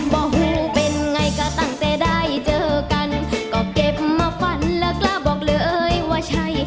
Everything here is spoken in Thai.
บอกเป็นไงก็ตั้งแต่ได้เจอกันก็เก็บมาฝันแล้วกล้าบอกเลยว่าใช่